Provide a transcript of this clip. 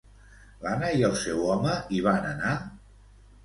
L'Anna i el seu home hi van anar?